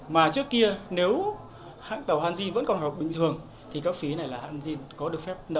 mà trước kia nếu hãng tàu hanjin vẫn còn học bình thường thì các phí này là hanjin có được phép nợ